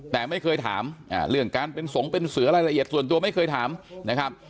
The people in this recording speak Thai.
แต่ไม่เคยถามเรื่องการเป็นสงฆ์เป็นเสือรายละเอียดส่วนตัวไม่เคยถามนะครับ